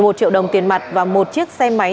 một mươi một triệu đồng tiền mặt và một chiếc xe máy